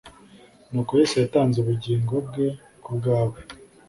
ni uko Yesu yatanze ubugingo bwe ku bwawe,